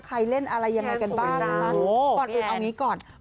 ใครเล่นอะไรอย่างไรกันบ้างนะคะปกติเอาอย่างนี้ก่อนปีแอน